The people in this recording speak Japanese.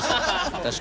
確かに。